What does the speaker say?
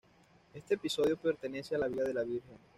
Este episodio pertenece a la vida de la Virgen.